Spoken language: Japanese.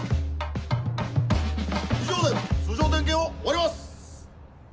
以上で通常点検を終わります！